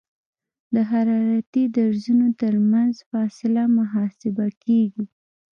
د حرارتي درزونو ترمنځ فاصله محاسبه کیږي